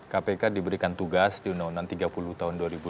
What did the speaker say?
kpk diberikan tugas di undang undang tiga puluh tahun dua ribu lima belas